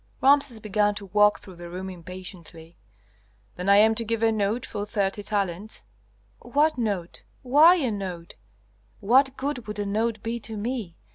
Rameses began to walk through the room impatiently. "Then am I to give a note for thirty talents?" "What note? why a note? what good would a note be to me?